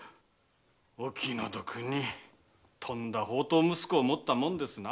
お気の毒にとんだ放蕩息子を持ったものですな。